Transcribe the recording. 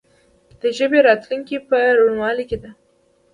د ژبې راتلونکې په روڼوالي کې ده.